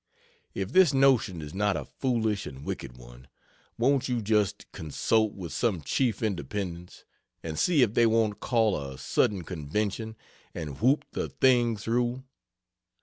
If this notion is not a foolish and wicked one, won't you just consult with some chief Independents, and see if they won't call a sudden convention and whoop the thing through?